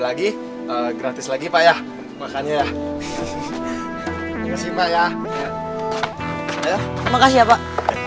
lagi gratis lagi pak ya makanya ya makasih ya pak